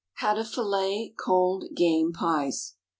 XX. HOW TO "FILLET." COLD GAME PIES.